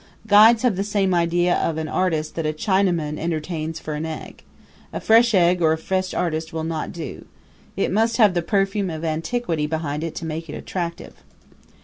Guides have the same idea of an artist that a Chinaman entertains for an egg. A fresh egg or a fresh artist will not do. It must have the perfume of antiquity behind it to make it attractive.